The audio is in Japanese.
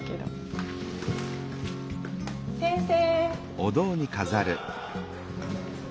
先生！